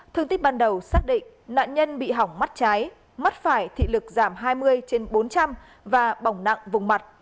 thương tích ban đầu xác định nạn nhân bị hỏng mắt trái mắt phải thị lực giảm hai mươi trên bốn trăm linh và bỏng nặng vùng mặt